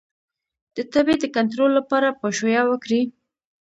د تبې د کنټرول لپاره پاشویه وکړئ